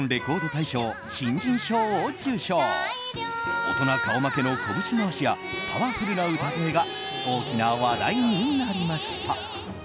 大人顔負けのこぶし回しやパワフルな歌声が大きな話題になりました。